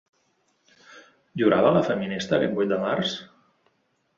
Hi haurà vaga feminista aquest vuit de març?